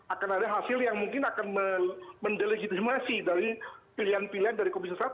akan ada hasil yang mungkin akan mendelegitimasi dari pilihan pilihan dari komisi satu